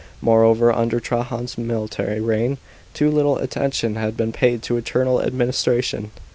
Moreover, under Trajan's mil tary reign, too little attention had been paid to internal administration.